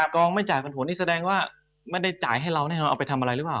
กองไม่จ่ายปันผลนี่แสดงว่าไม่ได้จ่ายให้เราแน่นอนเอาไปทำอะไรหรือเปล่า